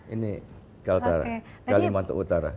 ini kalimantan utara